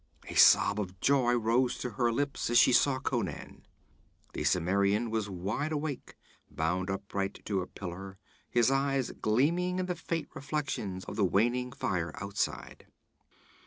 A sob of joy rose to her lips as she saw Conan. The Cimmerian was wide awake, bound upright to a pillar, his eyes gleaming in the faint reflection of the waning fire outside.